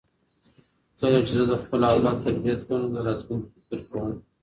کله چې زه د خپل اولاد تربیت کوم نو د راتلونکي فکر کوم.